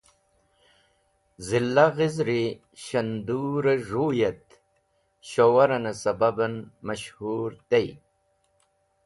Zila Ghizẽr i Shandur e Z̃huy et Showaran e sababen mash-hur tey.